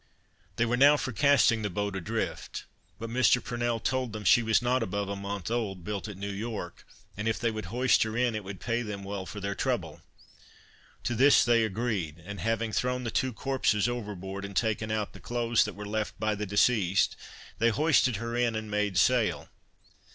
They were now for casting the boat adrift, but Mr. Purnell told them she was not above a month old, built at New York, and if they would hoist her in, it would pay them well for their trouble. To this they agreed, and having thrown the two corpses overboard, and taken out the clothes that were left by the deceased, they hoisted her in and made sail.